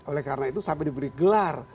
oleh karena itu sampai diberi gelar